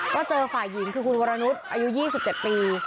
ก็เจอฝ่ายหญิงคือคุณวรนุษย์อายุ๒๗ปี